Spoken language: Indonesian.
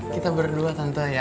kita berdua tante